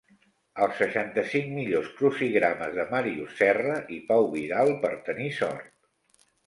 Els seixanta-cinc millors crucigrames de Màrius Serra i Pau Vidal per tenir sort.